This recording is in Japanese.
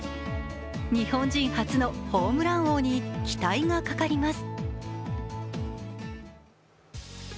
日本人初のホームラン王に期待がかかります。